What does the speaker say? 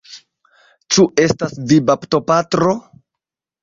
Ĉu estas vi, baptopatro?